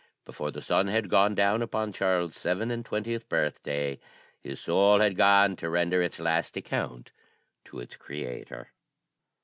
Before the sun had gone down upon Charles's seven and twentieth birthday, his soul had gone to render its last account to its Creator.